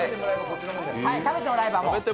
食べてもらえれば。